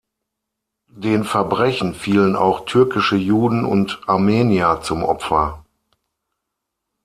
Den Verbrechen fielen auch türkische Juden und Armenier zum Opfer.